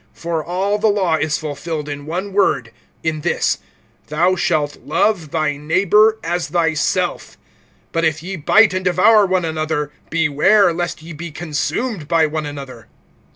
(14)For all the law is fulfilled in one word, in this: Thou shalt love thy neighbor as thyself. (15)But if ye bite and devour one another, beware lest ye be consumed by one another.